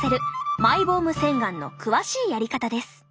マイボーム洗顔の詳しいやり方です。